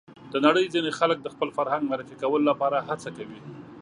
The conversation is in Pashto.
د نړۍ ځینې خلک د خپل فرهنګ معرفي کولو لپاره هڅه کوي.